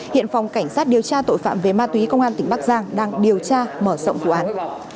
hiện phòng cảnh sát điều tra tội phạm về ma túy công an tỉnh bắc giang đang điều tra mở rộng vụ án